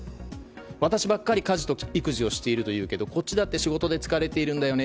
私ばっかり家事と育児をしているというけどこっちだって仕事で疲れているんだよね。